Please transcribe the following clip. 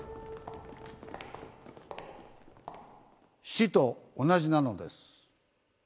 死と同じなのです。